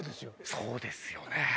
そうですよね。